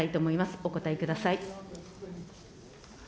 お答えください。